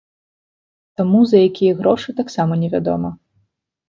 Таму, за якія грошы, таксама не вядома.